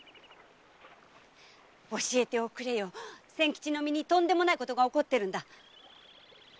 教えておくれよ千吉の身にとんでもないことが起こってる。